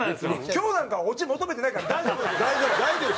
今日なんかはオチ求めてないから大丈夫ですよ！